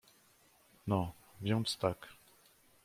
"No, więc tak."